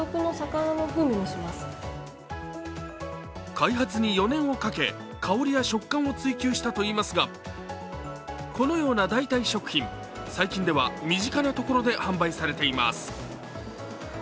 開発に４年をかけ香りや食感を追求したといいますがこのような代替食品、最近では身近なところで販売されています。